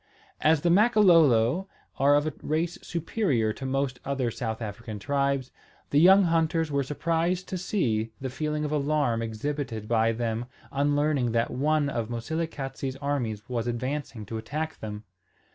As the Makololo are of a race superior to most other South African tribes, the young hunters were surprised to see the feeling of alarm exhibited by them on learning that on of Moselekatse's armies was advancing to attack them.